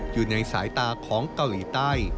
อยู่ในสายตาของเกาหลีใต้